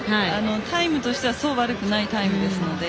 タイムとしては悪くないタイムですので。